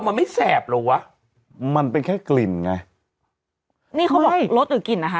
มันไม่แสบเหรอวะมันเป็นแค่กลิ่นไงนี่เขาบอกรสหรือกลิ่นนะคะ